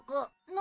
何？